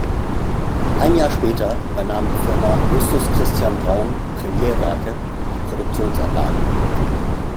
Ein Jahr später übernahm die Firma Justus Christian Braun Premier-Werke die Produktionsanlagen.